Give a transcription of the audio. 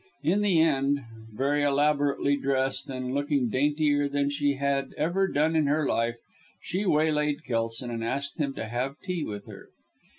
In the end very elaborately dressed, and looking daintier than she had ever done in her life, she waylaid Kelson and asked him to have tea with her.